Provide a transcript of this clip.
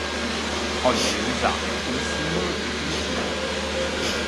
Oggi è usato come simbolo definitivo.